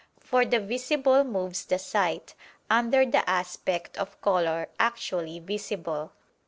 For the visible moves the sight, under the aspect of color actually visible.